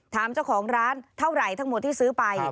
ถามเจ้าของร้านเท่าไหร่ทั้งหมดที่ซื้อไป